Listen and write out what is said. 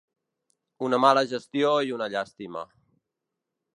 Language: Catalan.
Una mala gestió i una llàstima.